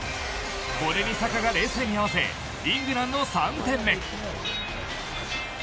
これにサカが冷静に合わせイングランド３点目。